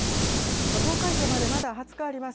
投開票までまだ２０日あります。